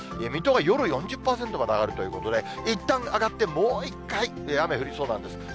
水戸が夜、４０％まで上がるということで、いったん上がって、もう１回、雨降りそうなんです。